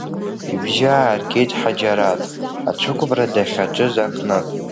Ибжьы ааиргеит Ҳаџьараҭ аҽыкәабара дахьаҿыз аҟнытә.